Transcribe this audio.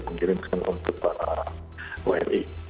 mengirimkan untuk para wni